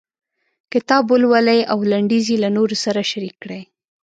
کتاب ولولئ او لنډيز یې له نورو سره شريک کړئ.